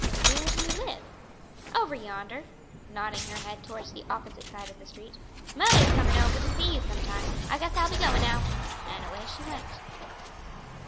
"Where do you live?" "Over yonder," nodding her head towards the opposite side of the street. "Mother's comin' over to see you some time. I guess I'll be going now." And away she went.